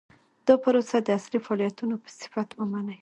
دا پروسه د اصلي فعالیتونو په صفت ومني.